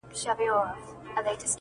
پر اسمان یې د پردیو غوبل جوړ دی!